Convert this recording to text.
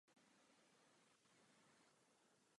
Proto vzniká za širšího rozsahu podmínek spalování.